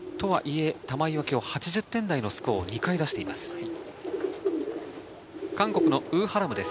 とはいえ玉井は今日８０点台のスコアを２回出しています。